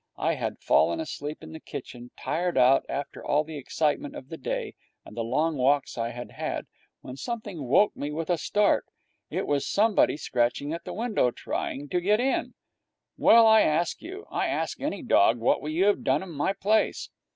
I had fallen asleep in the kitchen, tired out after all the excitement of the day and the long walks I had had, when something woke me with a start. It was somebody scratching at the window, trying to get in. Well, I ask you, I ask any dog, what would you have done in my place?